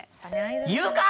言うかぁ！！